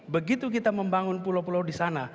begitu kita membangun pulau pulau di sana